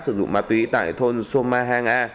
sử dụng mặt túy tại thôn soma hang a